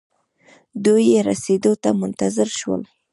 دوئ يې رسېدو ته منتظر شول.